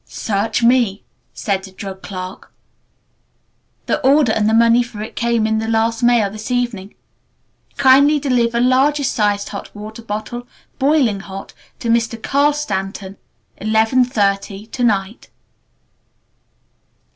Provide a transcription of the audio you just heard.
"Search me!" said the drug clerk. "The order and the money for it came in the last mail this evening. 'Kindly deliver largest sized hot water bottle, boiling hot, to Mr. Carl Stanton,... 11.30 to night.'"